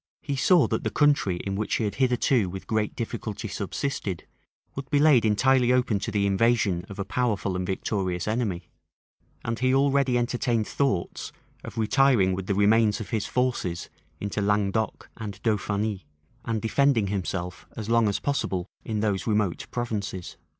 He saw that the country in which he had hitherto with great difficulty subsisted, would be laid entirely open to the invasion of a powerful and victorious enemy; and he already entertained thoughts of retiring with the remains of his forces into Languedoc and Dauphiny, and defending himself as long as possible in those remote provinces.